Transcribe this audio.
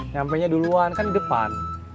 nyampe nya duluan kan di depan